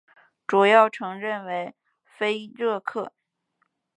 主要城镇为菲热克。